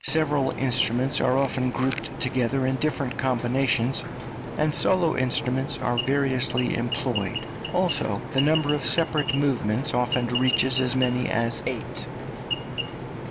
Several instruments are often grouped together in different combinations, {THE SERENADE.} (301) and solo instruments are variously employed; also the number of separate movements often reaches as many as eight.